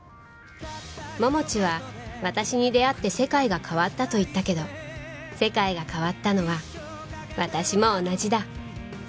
桃地は私に出会って世界が変わったと言ったけど世界が変わったのは私も同じだ